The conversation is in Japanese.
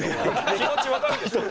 気持ち分かるでしょ？